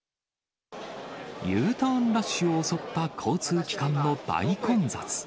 Ｕターンラッシュを襲った交通機関の大混雑。